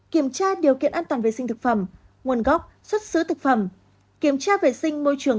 kiểm tra điều kiện an toàn vệ sinh thực phẩm nguồn gốc xuất xứ thực phẩm kiểm tra vệ sinh môi trường